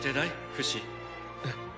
フシ。え？